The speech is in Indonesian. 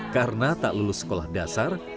karena tak lulus sekolah dasar